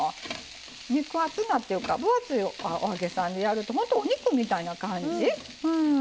肉厚なっていうか分厚いお揚げさんでやると本当、お肉みたいな感じ。